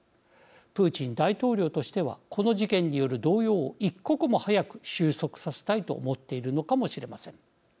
プーチン大統領としてはこの事件による動揺を一刻も早く収束させたいと思っているのかもしれません。